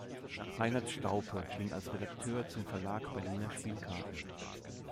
Reinhard Staupe ging als Redakteur zum Verlag Berliner Spielkarten.